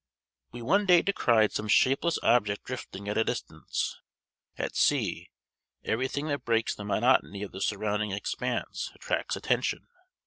We one day descried some shapeless object drifting at a distance. At sea, every thing that breaks the monotony of the surrounding expanse attracts attention.